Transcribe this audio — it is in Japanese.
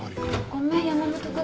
ごめん山本君。